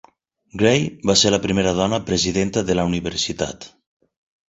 Gray va ser la primera dona presidenta de la universitat.